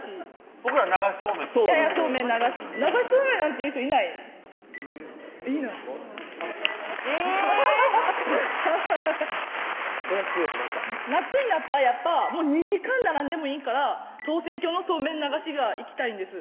僕ら流しそうめんって「流しそうめん」なんて言う人いないへぇえっそれは失礼しました夏になったらやっぱ２時間並んでもいいから唐船峡のそうめん流しが行きたいんです